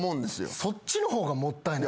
そっちの方がもったいない。